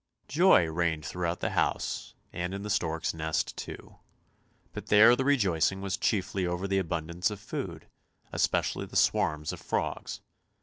Joy reigned throughout the house and in the stork's nest too, but there the rejoicing was chiefly over the abundance of food, especially the swarms of frogs.